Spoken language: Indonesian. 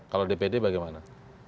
kalau dpd bagaimana